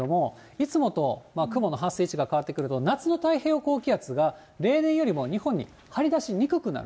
いつもと雲の発生位置が変わってくると、夏の太平洋高気圧が例年よりも日本に張り出しにくくなる。